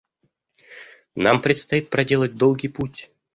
Нам предстоит проделать долгий путь.